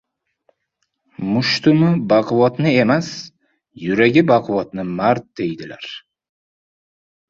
• Mushtumi baquvvatni emas, yuragi baquvvatni mard deydilar.